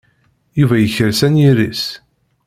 Yuba yekres anyir-is.